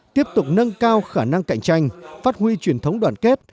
tiếp tục nâng cao khả năng cạnh tranh phát huy truyền thống đoàn kết